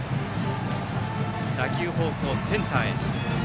打球方向、センターへ。